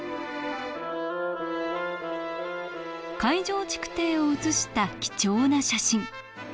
海上築堤を写した貴重な写真。